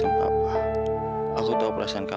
emang gak ada harganya